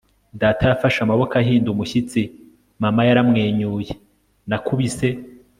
data yafashe amaboko ahinda umushyitsi. mama yaramwenyuye. nakubise